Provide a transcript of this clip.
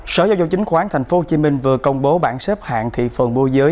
sở giao dụng chính khoán tp hcm vừa công bố bản xếp hạng thị phần mua giới